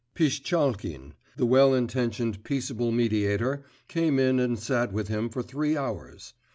Pishtchalkin, the well intentioned peaceable mediator, came in and sat with him for three hours.